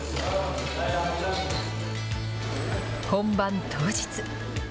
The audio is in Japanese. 本番当日。